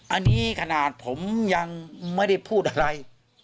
อันนี้ขนาดผมยังไม่ได้พูดอะไร